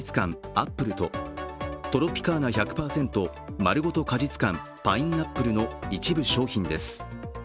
アップルとトロピカーナ１００％まるごと果実感パインアップルの一部商品です。